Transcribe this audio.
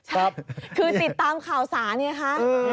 ใช่คือติดตามข่าวสารเนี่ยฮะ